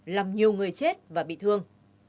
làm nhiều người chết và bị thương